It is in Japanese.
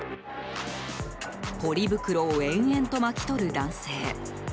ポリ袋を延々と巻き取る男性。